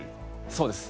そうです。